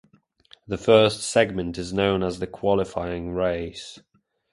The first segment is known as the Qualifying Race.